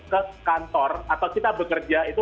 ke kantor atau kita bekerja itu